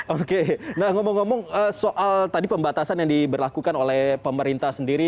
oke nah ngomong ngomong soal tadi pembatasan yang diberlakukan oleh pemerintah sendiri